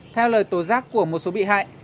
theo lời tố giác của một số bị hại